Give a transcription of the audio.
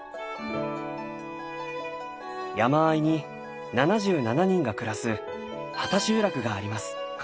山あいに７７人が暮らす畑集落があります。